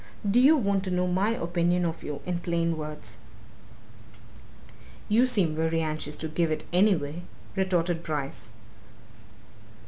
Do you want to know my opinion of you in plain words?" "You seem very anxious to give it, anyway," retorted Bryce.